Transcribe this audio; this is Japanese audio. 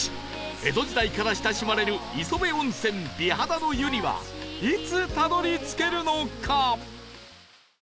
江戸時代から親しまれる磯部温泉美肌の湯にはいつたどり着けるのか？